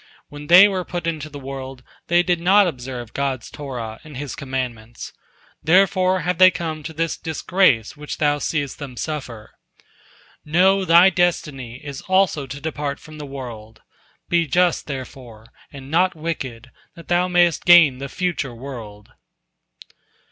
When they were put into the world, they did not observe God's Torah and His commandments. Therefore have they come to this disgrace which thou seest them suffer. Know, thy destiny is also to depart from the world. Be just, therefore, and not wicked, that thou mayest gain the future world."